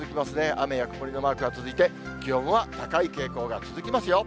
雨や曇りのマークが続いて、気温は高い傾向が続きますよ。